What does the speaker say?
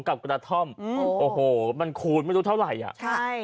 กระท่อมอืมโอ้โหมันคูณไม่รู้เท่าไหร่อ่ะใช่